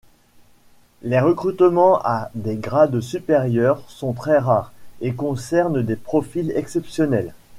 Les recrutements à des grades supérieurs sont très rares, et concernent des profils exceptionnels.